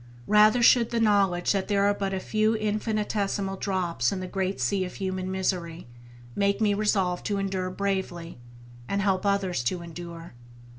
Rather should the knowledge that there are but a few infinitesimal drops in the great sea of human misery, make me resolve to endure bravely, and help others to endure.